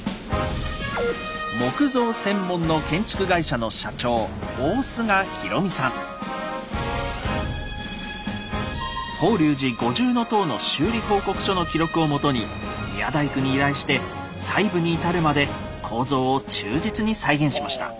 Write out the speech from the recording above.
木造専門の法隆寺五重塔の修理報告書の記録をもとに宮大工に依頼して細部に至るまで構造を忠実に再現しました。